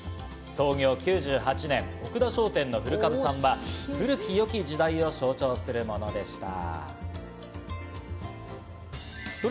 創業９８年、オクダ商店の古株さんは古き良き時代を象徴するものでした。